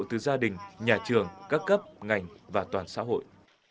từ gia đình nhà trường các cấp ngành và toàn xã hội